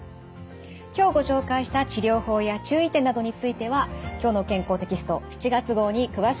今日ご紹介した治療法や注意点などについては「きょうの健康」テキスト７月号に詳しく掲載されています。